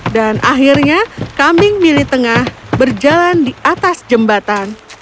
dan akhirnya kambing bili tengah berjalan di atas jembatan